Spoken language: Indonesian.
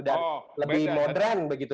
dan lebih modern begitu